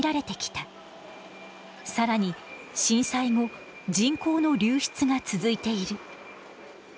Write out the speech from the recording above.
更に震災後人口の流出が続いている。